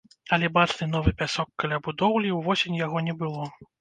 Але бачны новы пясок каля будоўлі, увосень яго не было.